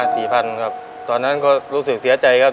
สี่พันครับตอนนั้นก็รู้สึกเสียใจครับ